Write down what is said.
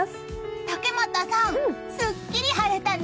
竹俣さん、すっきり晴れたね。